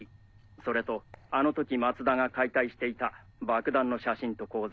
それとあの時松田が解体していた爆弾の写真と構造。